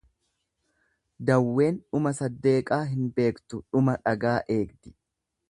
Dawween dhuma saddeeqaa hin beektu dhuma dhagaa eegdi.